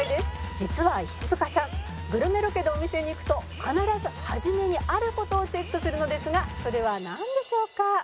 「実は石塚さんグルメロケでお店に行くと必ず初めにある事をチェックするのですがそれはなんでしょうか？」